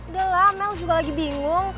udah lah mel juga lagi bingung